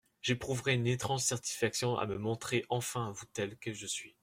J’éprouverais une étrange satisfaction à me montrer enfin à vous tel que je suis.